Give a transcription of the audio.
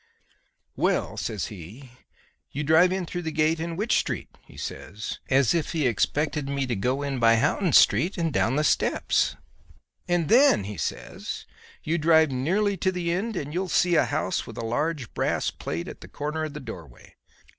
"'Well,' says he, 'you drive in through the gate in Wych Street,' he says, as if he expected me to go in by Houghton Street and down the steps, 'and then,' he says, 'you drive nearly to the end and you'll see a house with a large brass plate at the corner of the doorway.